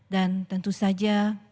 dan tentu saja kami juga sangat menghargai